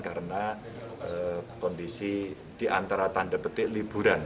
karena kondisi di antara tanda petik liburan